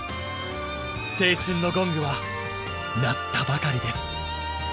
青春のゴングは鳴ったばかりです。